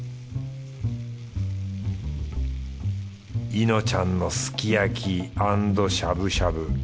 イノちゃんのすき焼きアンドしゃぶしゃぶ。